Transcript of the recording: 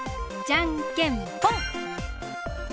じゃんけんぽん！